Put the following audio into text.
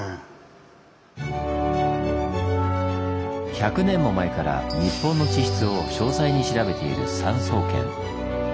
１００年も前から日本の地質を詳細に調べている産総研。